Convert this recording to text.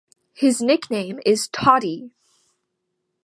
His nickname is "Toddy".